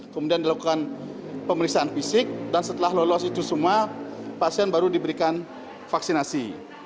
kemudian dilakukan pemeriksaan fisik dan setelah lolos itu semua pasien baru diberikan vaksinasi